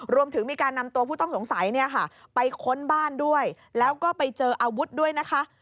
รวมถึงมีการนำตัวผู้ต้องสงสัยเนี่ยค่ะไปค้นบ้านด้วยแล้วก็ไปเจออาวุธด้วยนะคะ